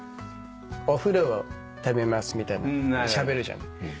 「お風呂ためます」みたいなしゃべるじゃない。